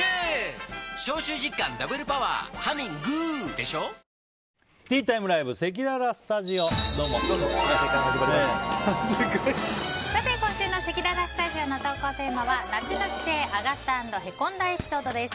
そして、改めてこちらのエコバッグ今週のせきららスタジオの投稿テーマは夏の帰省アガった＆へこんだエピソードです。